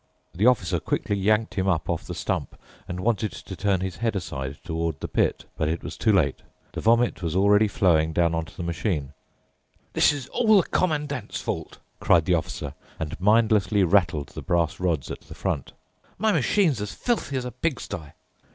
The Officer quickly yanked him up off the stump and wanted to turn his head aside toward the pit. But it was too late. The vomit was already flowing down onto the machine. "This is all the Commandant's fault!" cried the officer and mindlessly rattled the brass rods at the front. "My machine's as filthy as a pigsty."